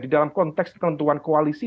di dalam konteks penentuan koalisi